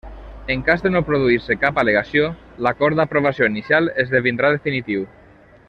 En cas de no produir-se cap al·legació l'acord d'aprovació inicial esdevindrà definitiu.